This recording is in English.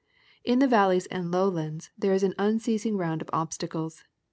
In the valleys and lowlands there is an unceasing round of obstacles.